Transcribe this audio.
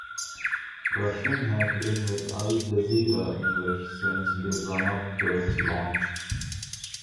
Rushing has been with Al Jazeera English since the run-up to its launch.